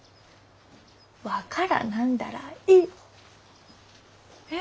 分からなんだらええ。